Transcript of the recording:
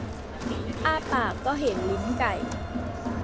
อ้าปากก็เห็นลิ้นไก่